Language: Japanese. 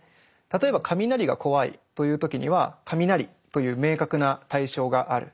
例えば雷が怖いという時には雷という明確な対象がある。